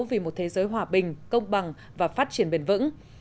vì một thế giới hòa bình công bằng và phát triển bền vững